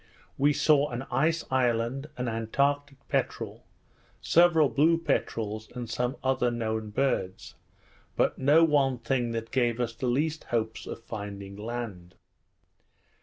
we saw an ice island, an antartic peterel, several blue peterels, and some other known birds; but no one thing that gave us the least hopes of finding land.